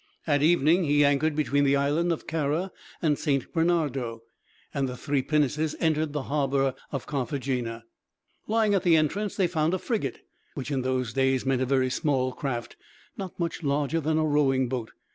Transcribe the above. At evening he anchored between the Island of Cara and Saint Bernardo, and the three pinnaces entered the harbor of Carthagena. Lying at the entrance they found a frigate, which in those days meant a very small craft, not much larger than a rowing boat.